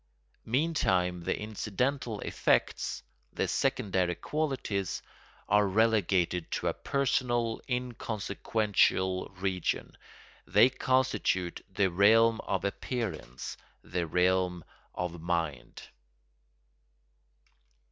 Meantime the incidental effects, the "secondary qualities," are relegated to a personal inconsequential region; they constitute the realm of appearance, the realm of mind.